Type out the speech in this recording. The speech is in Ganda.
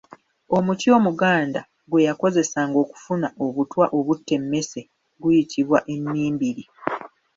Omuti omuganda gwe yakozesanga okufuna obutwa obutta emmese guyitibwa Emmimbiri.